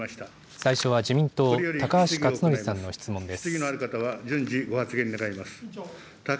最初は自民党、高橋克法さんの質問です。